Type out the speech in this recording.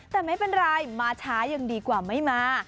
แต่ไม่เป็นไรมาช้ายังดีกว่าไม่มา